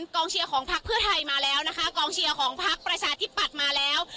กองเชียร์ของพักเพื่อไทยมาแล้วนะคะกองเชียร์ของพักประชาธิปัตย์มาแล้ว